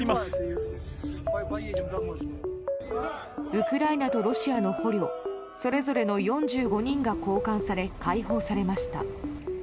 ウクライナとロシアの捕虜それぞれの４５人が交換され解放されました。